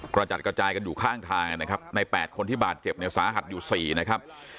กระจัดกระจายกันอยู่ข้างทางนะครับใน๘คนที่บาดเจ็บเนี่ยสาหัสอยู่๔นะครับ